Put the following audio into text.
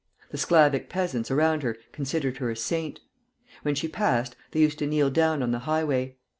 The Sclavic peasants around her considered her a saint. When she passed, they used to kneel down on the highway.